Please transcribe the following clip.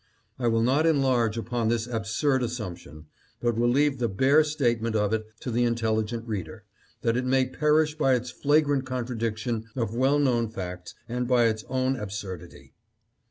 I will not enlarge upon this absurd assumption, but will leave the bare statement of it to the intelligent reader, that it may perish by its fla grant contradiction of well known facts and by its own absurdity.